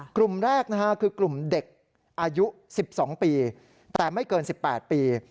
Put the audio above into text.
กลุ่มแรกคือกลุ่มเด็กอายุ๑๒ปีแต่ไม่เกิน๑๘ปี